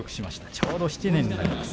ちょうど７年になります。